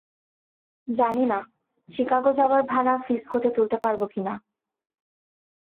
জানি না, চিকাগো যাবার ভাড়া ফ্রিস্কোতে তুলতে পারব কিনা।